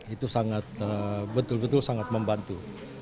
itu sangat betul betul sangat membantu